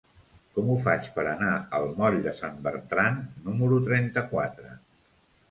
Com ho faig per anar al moll de Sant Bertran número trenta-quatre?